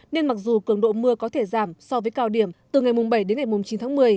nên mặc dù cường độ mưa có thể giảm so với cao điểm từ ngày bảy đến ngày chín tháng một mươi